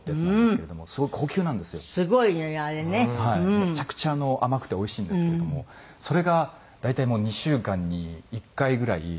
めちゃくちゃ甘くておいしいんですけれどもそれが大体もう２週間に１回ぐらい。